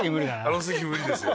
あの席無理ですよ